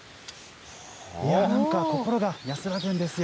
なんか、心が安らぐんですよ。